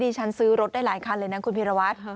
ฉันซื้อรถได้หลายคันเลยนะคุณพีรวัตร